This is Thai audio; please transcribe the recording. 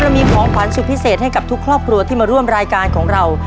มีของขวัญสุดพิเศษให้กับทุกครอบครัวที่มาร่วมรายการของเรา